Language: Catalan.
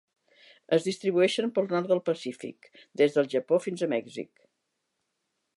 Es distribueixen pel nord del Pacífic, des del Japó fins a Mèxic.